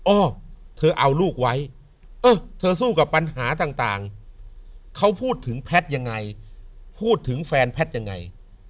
เออเธอเอาลูกไว้เออเธอสู้กับปัญหาต่างเขาพูดถึงแพทย์ยังไงพูดถึงแฟนแพทย์ยังไง